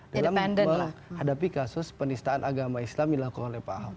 dalam menghadapi kasus penistaan agama islam yang dilakukan oleh pak ahok